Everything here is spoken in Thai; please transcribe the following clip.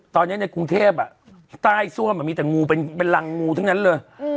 ตอนนี้ในกรุงเทพใต้ซ่วมมีแต่งูเป็นรังงูทั้งนั้นเลย